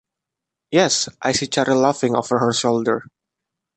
Yes, I see Charlie laughing over her shoulder.